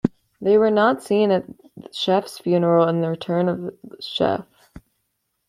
They were not seen at Chef's funeral in "The Return of Chef".